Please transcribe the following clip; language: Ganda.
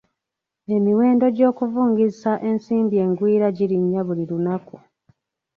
Emiwendo gy'okuvungisa ensimbi engwira girinnya buli lunaku.